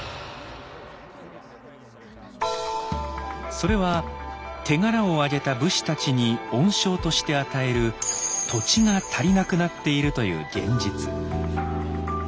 それは手柄をあげた武士たちに恩賞として与える土地が足りなくなっているという現実。